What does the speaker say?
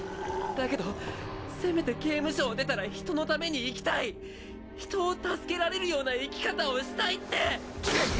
だけどせめて刑務所を出たら人のために生きたい人を助けられるような生き方をしたいって！！